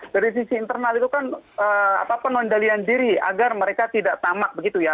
dari sisi internal itu kan penondalian diri agar mereka tidak tamak begitu ya